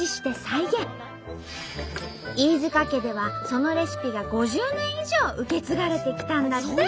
飯塚家ではそのレシピが５０年以上受け継がれてきたんだって。